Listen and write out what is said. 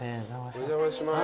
お邪魔します。